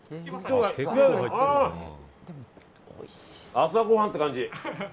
朝ごはんって感じ。